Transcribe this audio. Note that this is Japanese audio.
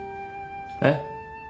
えっ？